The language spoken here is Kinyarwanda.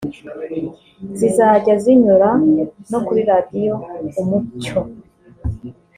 zizajya zinyura no kuri Radiyo Umucyo